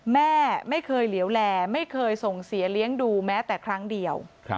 แม่ไม่เคยเหลวแลไม่เคยส่งเสียเลี้ยงดูแม้แต่ครั้งเดียว